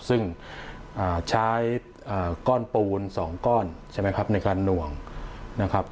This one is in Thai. ซึ่งใช้ก้อนปูน๒ก้อนใช่ไหมครับในการหน่วงนะครับ